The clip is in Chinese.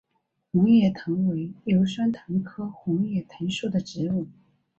红叶藤为牛栓藤科红叶藤属的植物。